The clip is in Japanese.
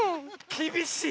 きびしい！